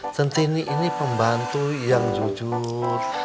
centini ini pembantu yang jujur